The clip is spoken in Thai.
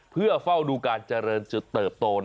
เพื่อเฝ้าดูการเจริญจุดเติบโต